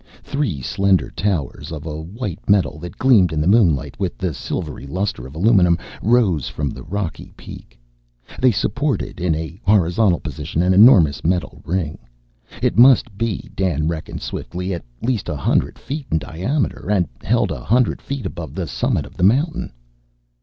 Three slender towers, of a white metal that gleamed in the moonlight with the silvery luster of aluminum, rose from the rocky peak. They supported, in a horizontal position, an enormous metal ring. It must be, Dan reckoned swiftly, at least a hundred feet in diameter, and held a hundred feet above the summit of the mountain.